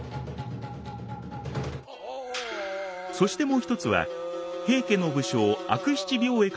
そしてもう一つは平家の武将悪七兵衛